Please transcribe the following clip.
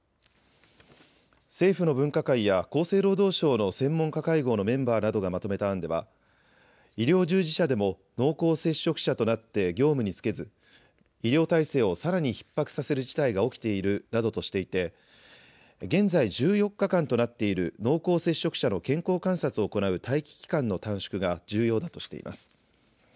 政府の分科会や厚生労働省の専門家会合のメンバーなどがまとめた案では、医療従事者でも濃厚接触者となって業務に就けず、医療体制をさらにひっ迫させる事態が起きているなどとしていて、現在、１４日間となっている濃厚接触者の健康観察を行う待機期間の短縮が重要だとしています。